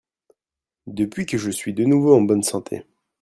Depuis que je suis de nouveau en bonne santé.